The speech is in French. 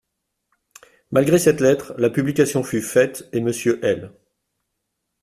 Malgré cette lettre, la publication fut faite et Monsieur L.